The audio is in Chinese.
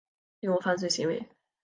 利用犯罪行为